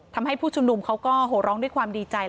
ผู้ชุมนุมเขาก็โหร้องด้วยความดีใจ